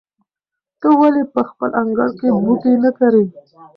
ته ولې په خپل انګړ کې بوټي نه کرې؟